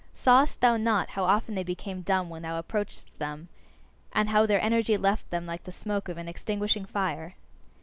Sawest thou not how often they became dumb when thou approachedst them, and how their energy left them like the smoke of an extinguishing fire?